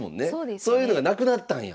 そういうのがなくなったんや。